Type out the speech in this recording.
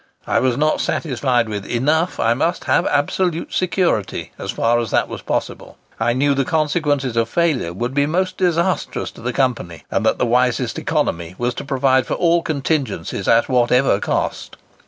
I was not satisfied with 'enough:' I must have absolute security, as far as that was possible. I knew the consequences of failure would be most disastrous to the Company, and that the wisest economy was to provide for all contingencies at whatever cost.